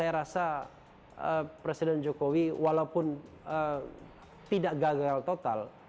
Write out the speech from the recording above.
saya rasa presiden jokowi walaupun tidak gagal total